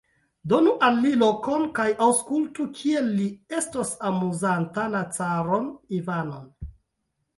Donu al li lokon kaj aŭskultu, kiel li estos amuzanta la caron Ivanon!